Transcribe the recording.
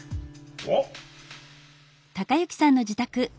おっ。